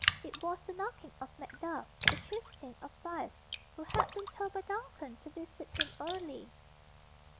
It was the knocking of Macduff, the chieftain of Fife, who had been told by Duncan to visit him early.